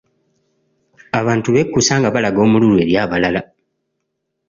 Abantu bekusa nga balaga omululu eri abalala.